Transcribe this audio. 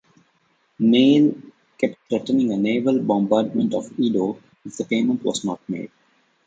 Neale kept threatening a naval bombardment of Edo if the payment was not made.